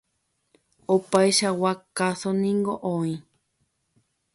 Opaichagua káso niko oĩ.